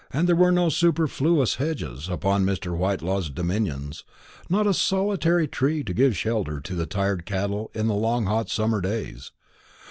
There were no superfluous hedges upon Mr. Whitelaw's dominions; not a solitary tree to give shelter to the tired cattle in the long hot summer days.